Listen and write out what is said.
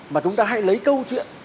mà chúng ta hãy lấy câu chuyện